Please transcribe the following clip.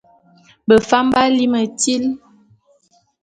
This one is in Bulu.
Befam b'á lí metíl.